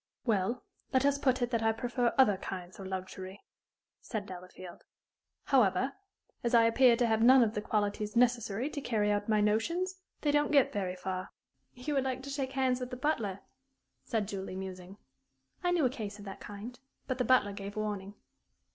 "Well, let us put it that I prefer other kinds of luxury," said Delafield. "However, as I appear to have none of the qualities necessary to carry out my notions, they don't get very far." "You would like to shake hands with the butler?" said Julie, musing. "I knew a case of that kind. But the butler gave warning."